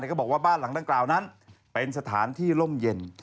ก็บอกว่าบ้านหลังดังกล่าวนั้นเป็นสถานที่ร่มเย็น